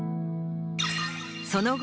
その後。